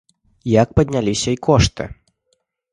Як падняліся і кошты.